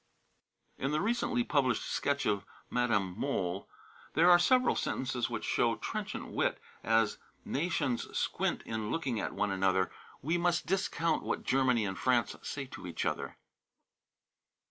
In the recently published sketch of Madame Mohl there are several sentences which show trenchant wit, as: "Nations squint in looking at one another; we must discount what Germany and France say of each other."